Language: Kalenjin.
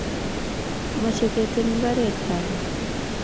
mache ketem imabaret karun